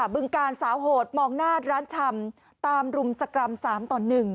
บึงการสาวโหดมองหน้าร้านชำตามรุมสกรรม๓ต่อ๑